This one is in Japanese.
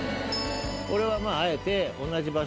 これはあえて。